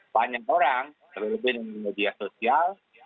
banyak orang terlebih lebih dari media sosial